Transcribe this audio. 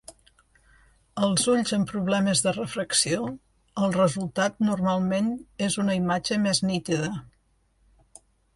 Als ulls amb problemes de refracció, el resultat normalment és una imatge més nítida.